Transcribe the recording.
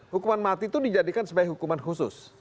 hukuman mati itu dijadikan sebagai hukuman khusus